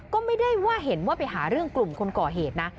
ก็ไม่ได้ว่าเห็นว่าไปหาเรื่องกลุ่มคนก่อเหตุนะ